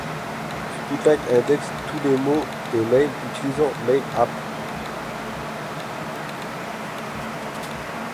Spotlight indexe tous les mots des mails utilisant Mail.app.